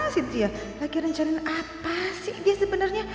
cynthia lagi rencanain apa sih dia sebenarnya